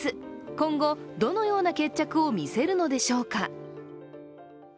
今後、どのような決着を見せるのでしょうか。